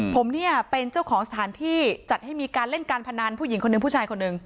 ผมเนี่ยเป็นเจ้าของสถานที่จัดให้มีการเล่นการพนันผู้หญิงคนนึงผู้ชายคนหนึ่ง